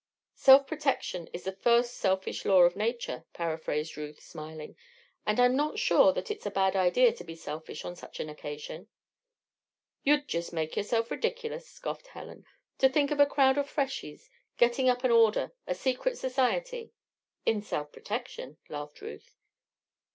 "Self protection is the first selfish law of nature," paraphrased Ruth, smiling; "and I'm not sure that it's a bad idea to be selfish on such an occasion." "You'd just make yourself ridiculous," scoffed Helen. "To think of a crowd of freshies getting up an order a secret society." "In self protection," laughed Ruth.